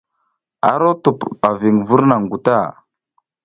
Aro tup a viŋ vur naŋ guta.